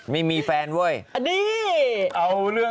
ไม่มีแฟนเว่ยสนัดฟัง